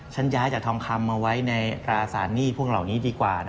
ฉันย้ายจากทองคำมาไว้ในตราสารหนี้พวกเหล่านี้ดีกว่า